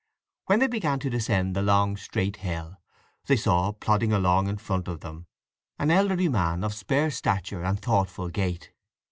When they began to descend the long, straight hill, they saw plodding along in front of them an elderly man of spare stature and thoughtful gait.